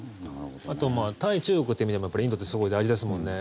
あと対中国という意味でインドってすごい大事ですよね。